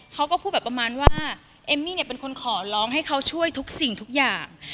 เขาก็พูดแบบประมาณว่าเอมมี่เนี่ยเป็นคนขอร้องให้เขาช่วยทุกสิ่งทุกอย่าง